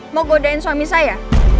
mau godain suami saya